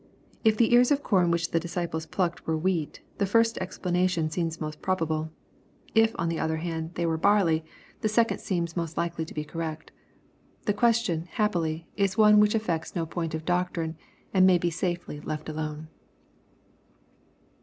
If the ears of com which the disciples plucked were wheat, the first explanation seems most probable, it on the other hand, they were barley, the seoond 164 EXPOSITORY THOUGHTS. seems most likely to be correct. The question, happily, is one which affects no point of doctrine, and may safely be left alone.